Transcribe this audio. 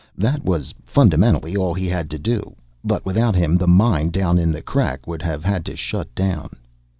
That was fundamentally all he had to do. But without him the mine down in the Crack would have had to shut down.